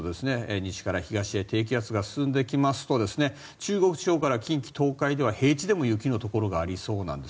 西から東へ低気圧が進んできますと中国地方から近畿・東海では平地でも雪のところがありそうです。